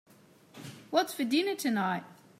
What's for dinner tonight?